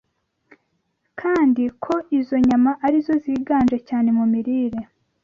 kandi ko izo nyama ari zo ziganje cyane mu mirire